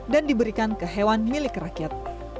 dan diberikan ke hewan milik rakyat